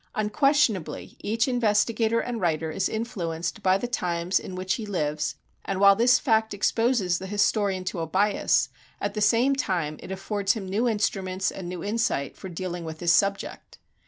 Unquestionably each investigator and writer is influenced by the times in which he lives and while this fact exposes the historian to a bias, at the same time it affords him new instruments and new insight for dealing with his subject.